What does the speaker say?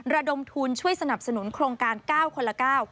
ระดมทุนช่วยสนับสนุนโครงการ๙คนละ๙